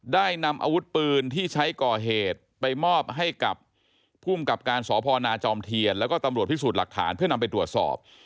ได้นำอาวุธปืนที่ใช้ก่อเหตุไปมอบให้กับภูมิกับการสพนาจอมเทียนแล้วก็ตำรวจพิสูจน์หลักฐานเพื่อนำไปตรวจสอบ